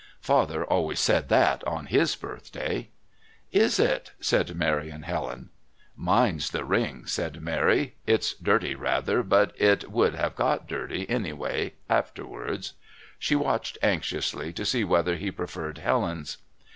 (Father always said that on his birthday.) "Is it?" said Mary and Helen. "Mine's the ring," said Mary. "It's dirty rather, but it would have got dirty, anyway, afterwards." She watched anxiously to see whether he preferred Helen's.